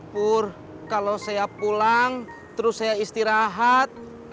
pur kalau saya pulang terus saya istirahat